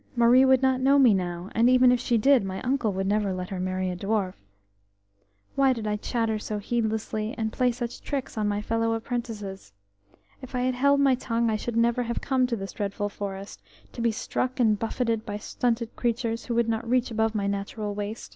Marie would not know me now, and even if she did my uncle would never let her marry a dwarf.... Why did I chatter so heedlessly, and play such tricks on my fellow apprentices? If I had held my tongue I should never have come to this dreadful forest, to be struck and buffeted by stunted creatures who would not reach above my natural waist."